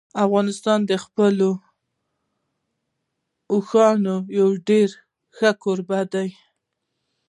افغانستان د خپلو اوښانو یو ډېر ښه کوربه دی.